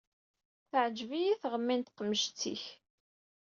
Teɛǧeb-iyi teɣmi n tqemǧet-ik.